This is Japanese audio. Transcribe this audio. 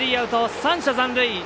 ３者残塁。